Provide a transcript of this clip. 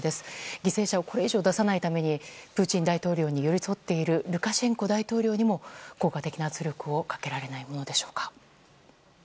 犠牲者をこれ以上出さないためにプーチン大統領に寄り添っているルカシェンコ大統領にも効果的な圧力をかけられないものでしょうか。